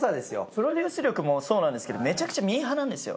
プロデュース力もそうなんですけどメチャクチャミーハーなんですよ。